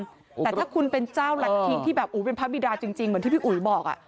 แต่ถ้าคุณเป็นเจ้ารัฐธิที่แบบอู๋เป็นพระบิดาจริงเหมือนที่พี่อุ๋ยบอกอ่ะ